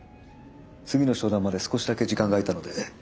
次の商談まで少しだけ時間が空いたので。